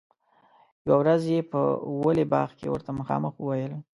یوه ورځ یې په ولي باغ کې ورته مخامخ وویل.